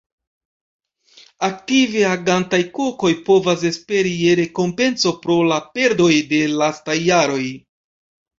Aktive agantaj Kokoj povas esperi je rekompenco pro la perdoj de lastaj jaroj.